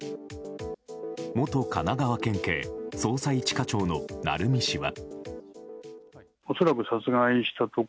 元神奈川県警捜査１課長の鳴海氏は。